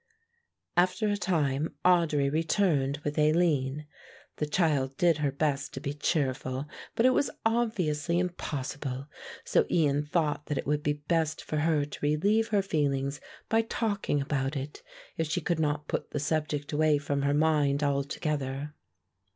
After a time Audry returned with Aline. The child did her best to be cheerful, but it was obviously impossible; so Ian thought that it would be best for her to relieve her feelings by talking about it, if she could not put the subject away from her mind altogether.